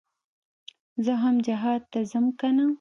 زه هم جهاد ته ځم کنه.